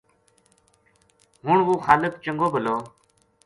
ہن وہ خالق چنگو بھَلو